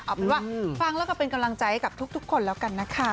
เอาเป็นว่าฟังแล้วก็เป็นกำลังใจให้กับทุกคนแล้วกันนะคะ